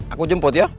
aku jemput ya